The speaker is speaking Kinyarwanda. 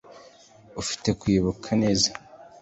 ufite kwibuka neza